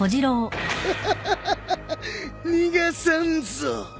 フハハハ逃がさんぞ。